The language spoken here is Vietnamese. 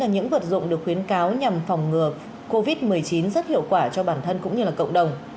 những vật dụng được khuyến cáo nhằm phòng ngừa covid một mươi chín rất hiệu quả cho bản thân cũng như cộng đồng